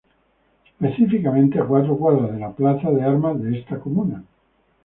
Específicamente a cuatro cuadras de la plaza de armas de esta comuna.